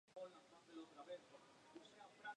Habita en Assam, Laos y Vietnam.